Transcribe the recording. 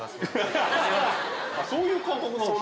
そういう感覚なんですか？